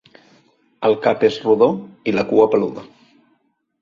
El cap és rodó i la cua peluda.